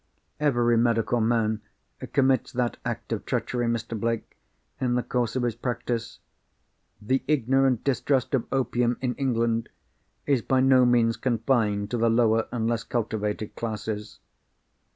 "Every medical man commits that act of treachery, Mr. Blake, in the course of his practice. The ignorant distrust of opium (in England) is by no means confined to the lower and less cultivated classes.